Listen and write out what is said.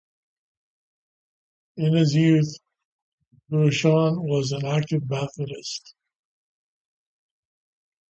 In his youth, Lewisohn was an active Methodist.